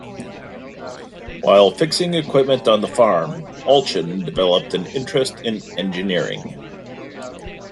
While fixing equipment on the farm, Allchin developed an interest in engineering.